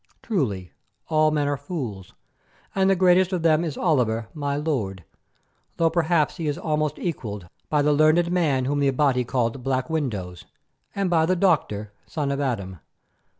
Truly all men are fools, and the greatest of them is Oliver, my lord, though perhaps he is almost equalled by the learned man whom the Abati called Black Windows, and by the doctor, Son of Adam.